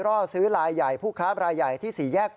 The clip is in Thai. โรงพักโรงพัก